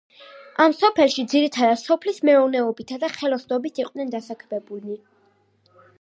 ამ სოფელში ძირითადად სოფლის მეურნეობითა და ხელოსნობით იყვნენ დასაქმებულნი.